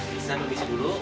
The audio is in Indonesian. terima kasih ibu